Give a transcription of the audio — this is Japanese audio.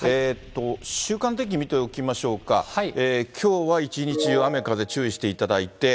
週間天気を見ておきましょうか、きょうは一日中、雨風注意していただいて。